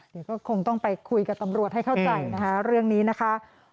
เดี๋ยวก็คงต้องไปคุยกับตำรวจให้เข้าใจนะคะเรื่องนี้นะคะ